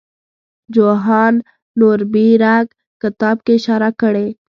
جوهان نوربیرګ کتاب کې اشاره کړې.